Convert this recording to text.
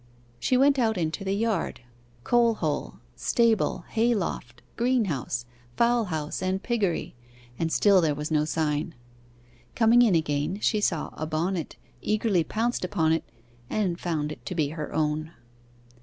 She went out into the yard, coal hole, stable, hay loft, green house, fowl house, and piggery, and still there was no sign. Coming in again, she saw a bonnet, eagerly pounced upon it; and found it to be her own.